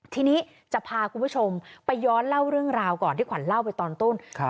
ทีนี้จะพาคุณผู้ชมไปย้อนเล่าเรื่องราวก่อนที่ขวัญเล่าไปตอนต้น